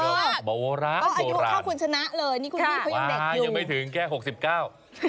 โบราณโบราณอายุของข้าคุณชนะเลยค่ะว้ายังไม่ถึงแค่หกสิบเก้า